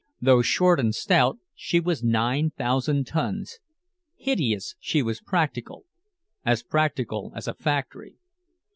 Though short and stout, she was nine thousand tons. Hideous, she was practical, as practical as a factory.